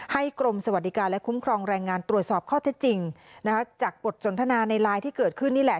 กรมสวัสดิการและคุ้มครองแรงงานตรวจสอบข้อเท็จจริงนะคะจากบทสนทนาในไลน์ที่เกิดขึ้นนี่แหละ